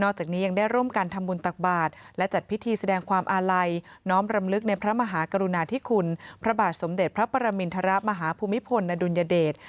จากนี้ยังได้ร่วมกันทำบุญตักบาทและจัดพิธีแสดงความอาลัยน้อมรำลึกในพระมหากรุณาธิคุณพระบาทสมเด็จพระปรมินทรมาฮภูมิพลอดุลยเดช